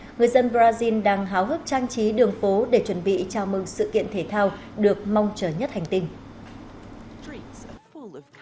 người dân brazil đang háo hức trang trí đường phố để chuẩn bị chào mừng sự kiện thể thao được mong chờ nhất hành tinh